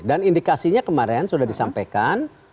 dan indikasinya kemarin sudah disampaikan